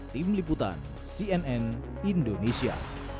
tim liputan cnn indonesia